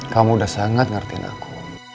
kamu udah sangat ngertiin aku